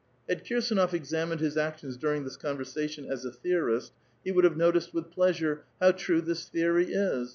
'* Had Kirsdnof examined his actions during this conversa tion, as a theorist, he would have noticed with pleasure '* How true this theory is.